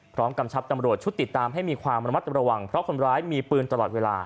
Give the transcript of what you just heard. กำชับตำรวจชุดติดตามให้มีความระมัดระวังเพราะคนร้ายมีปืนตลอดเวลา